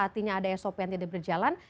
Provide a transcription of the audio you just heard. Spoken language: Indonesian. artinya ada sop yang tidak berjalan